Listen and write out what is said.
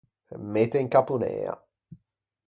Mette in capponea.